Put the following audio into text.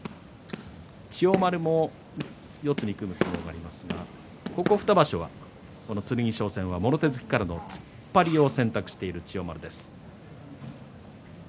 千代丸も四つに組む相撲がありますが、ここ２場所はこの剣翔戦はもろ手突きからの突っ張りを選択している千代丸です。